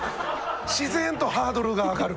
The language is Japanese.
自然とハードルが上がる。